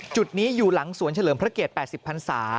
จุดนี้อยู่หลังสวนเฉลิมพระเกียรติ๘๐พันศา